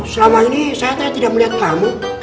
selama ini saya tidak melihat kamu